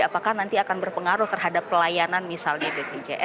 apakah nanti akan berpengaruh terhadap pelayanan misalnya bpjs